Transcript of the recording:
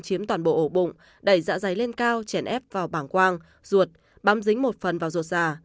chiếm toàn bộ ổ bụng đẩy dạ dày lên cao chèn ép vào bảng quang ruột bám dính một phần vào ruột già